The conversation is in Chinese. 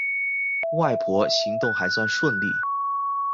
外婆行动还算顺利